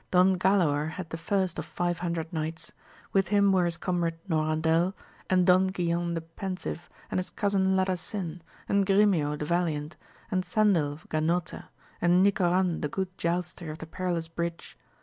Don Galaor had the first of five hundred knights, with him were his comrade Norandel, and Don Guilan the pensive, and his cousin Ladasin, and Grimeo the valiant, and Cendil of Ganota, and Nicoran the good j ouster of the perilous bridge.